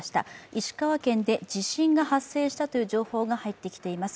石川県で地震が発生したという情報が入ってきています。